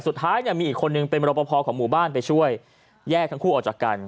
สุดท้ายเนี่ยมีอีกคนนึงเป็นมรปภของหมู่บ้านไปช่วยแยกทั้งคู่ออกจากกัน